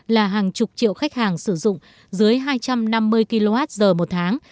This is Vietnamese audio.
là hàng chục triệu khách hàng sử dụng dưới hai trăm năm mươi kwh một tháng